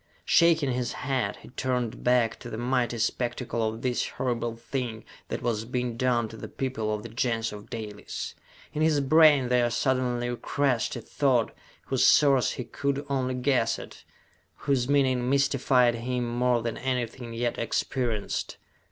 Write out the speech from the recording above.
Shaking his head, he turned back to the mighty spectacle of this horrible thing that was being done to the people of the Gens of Dalis. In his brain there suddenly crashed a thought whose source he could only guess at, whose meaning mystified him more than anything yet experienced.